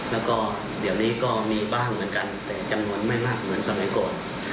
แล้วก็เดี๋ยวนี้ก็มีบ้างเหมือนกันแต่จำนวนไม่มากเหมือนสมัยก่อน